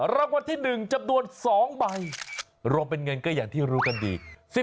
รางวัลที่๑จำนวน๒ใบรวมเป็นเงินก็อย่างที่รู้กันดี